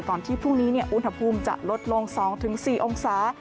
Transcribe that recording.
ที่พรุ่งนี้อุณหภูมิจะลดลง๒๔องศา